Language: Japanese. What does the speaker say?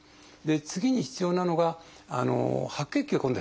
次に必要なのが白血球が今度減っちゃうんですね。